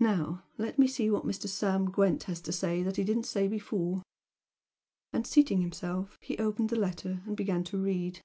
Now let me see what Mr. Sam Gwent has to say that he didn't say before " and seating himself, he opened the letter and began to read.